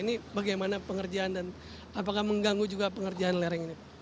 ini bagaimana pengerjaan dan apakah mengganggu juga pengerjaan lereng ini